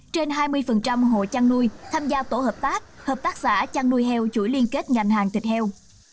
trên hai mươi hộ chăn nuôi tham gia tổ hợp tác hợp tác xã chăn nuôi heo chuỗi liên kết ngành hàng thịt heo